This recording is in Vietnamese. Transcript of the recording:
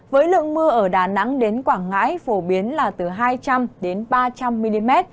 với lượng mưa ở đà nẵng đến quảng ngãi phổ biến là từ hai trăm linh ba trăm linh mm